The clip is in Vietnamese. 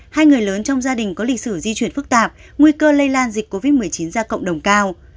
hai người lớn trong gia đình có lịch sử di chuyển phức tạp nguy cơ lây lan dịch covid một mươi chín ra cộng đồng cao